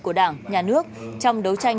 của đảng nhà nước trong đấu tranh